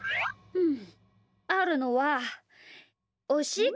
うん？